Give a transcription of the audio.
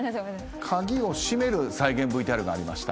鍵を締める再現ＶＴＲがありました。